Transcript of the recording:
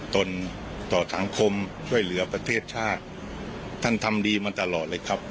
ตนต่อสังคมช่วยเหลือประเทศชาติท่านทำดีมาตลอดเลยครับ